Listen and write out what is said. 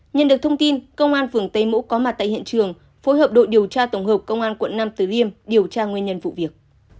nhân được thông tin công an phường tây mỗ có mặt tại hiện trường phối hợp đội điều tra tổng hợp công an quận nam tử liêm điều tra nguyên nhân vụ việc